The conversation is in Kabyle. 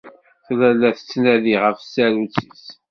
Tella la tettnadi ɣef tsarut-is.